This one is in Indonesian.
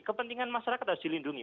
kepentingan masyarakat harus dilindungi